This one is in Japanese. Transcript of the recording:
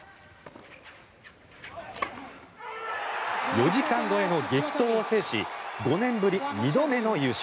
４時間超えの激闘を制し５年ぶり２度目の優勝。